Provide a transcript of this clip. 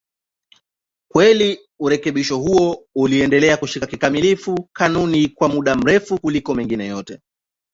Kweli urekebisho huo uliendelea kushika kikamilifu kanuni kwa muda mrefu kuliko mengine yote.